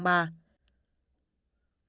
ngoại truyền thông tin của the new york times